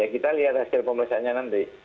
kita lihat hasil pemeriksaannya nanti